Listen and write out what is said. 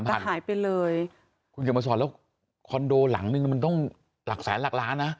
หายไปเลยคุณเขียนมาสอนแล้วคอนโดหลังนึงมันต้องหลักแสนหลักล้านนะ